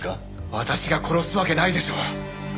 私が殺すわけないでしょう。